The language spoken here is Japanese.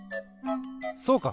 そうか！